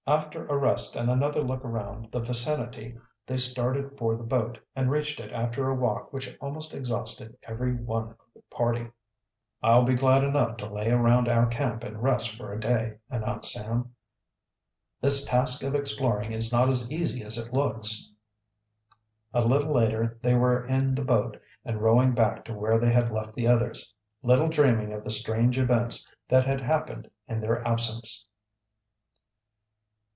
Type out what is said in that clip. After a rest and another look around the vicinity, they started for the boat and reached it after a walk which almost exhausted every one of the party. "I'll be glad enough to lay around our camp and rest for a day," announced Sam. "This task of exploring is not as easy as it looks." A little later they were in the boat and rowing back to where they had left the others, little dreaming of the strange events that had happened in their absence.